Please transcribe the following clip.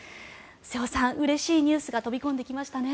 瀬尾さん、うれしいニュースが飛び込んできましたね。